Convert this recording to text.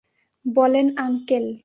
বলেন, আঙ্কেল।